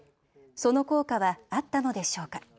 その効果はあったのでしょうか。